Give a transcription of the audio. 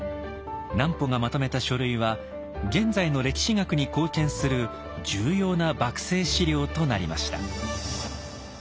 南畝がまとめた書類は現在の歴史学に貢献する重要な幕政史料となりました。